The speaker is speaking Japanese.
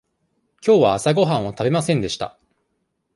きょうは朝ごはんを食べませんでした。